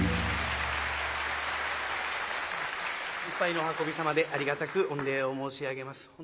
いっぱいのお運びさまでありがたく御礼を申し上げます。